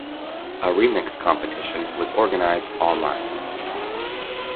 A remix competition was organized online.